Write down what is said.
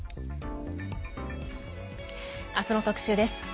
明日の特集です。